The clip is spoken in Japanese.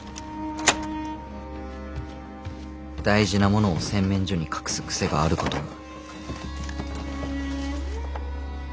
大事なものを洗面所に隠す癖があることを。